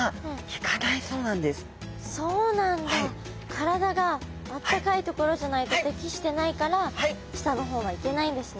体があったかい所じゃないと適してないから下の方は行けないんですね。